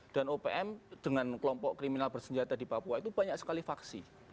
dan opm dengan kelompok kriminal bersenjata di papua itu banyak sekali faksi